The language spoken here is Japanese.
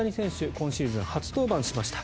今シーズン初登板しました。